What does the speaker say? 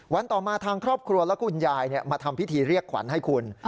ต่อมาทางครอบครัวและคุณยายมาทำพิธีเรียกขวัญให้คุณ